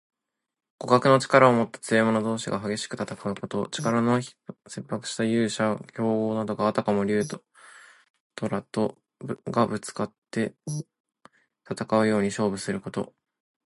互角の力をもった強い者同士が激しく戦うこと。力の伯仲した英雄・強豪などが、あたかも竜ととらとがぶつかって戦うように勝負すること。